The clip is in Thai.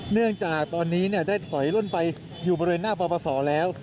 เนื่องจากตอนนี้ได้ถอยล่นไปอยู่บริเวณหน้าปปศแล้ว